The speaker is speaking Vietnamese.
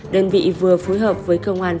đơn vị vừa phối hợp với công an